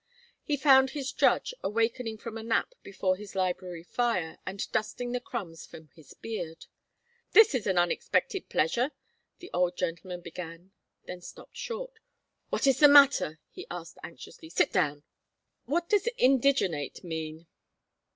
He found his judge awakening from a nap before his library fire and dusting the crumbs from his beard. "This is an unexpected pleasure," the old gentleman began, then stopped short. "What is the matter?" he asked, anxiously. "Sit down." "What does indigenate mean?"